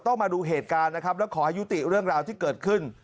มาดูเหตุการณ์นะครับแล้วขอให้ยุติเรื่องราวที่เกิดขึ้น